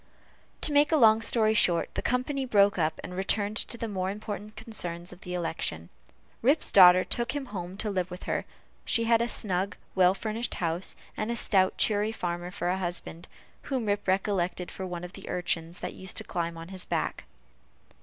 To make a long story short, the company broke up, and returned to the more important concerns of the election. Rip's daughter took him home to live with her; she had a snug, well furnished house, and a stout cheery farmer for a husband, whom Rip recollected for one of the urchins that used to climb upon his back.